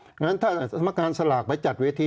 อย่างนั้นถ้าสมัครงานสลากไปจัดเวที